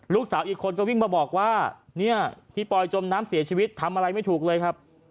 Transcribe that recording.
ลูกสาวอีกคนก็วิ่งมาบอกว่าเนี่ยพี่ปอยจมน้ำเสียชีวิตทำอะไรไม่ถูกเลยครับ